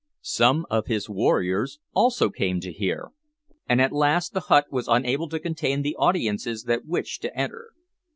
Some of his warriors also came to hear, and at last the hut was unable to contain the audiences that wished to enter.